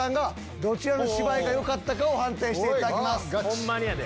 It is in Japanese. ホンマにやで。